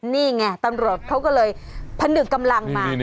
นี่ไงตำรวจเขาก็เลยผนึกกำลังมา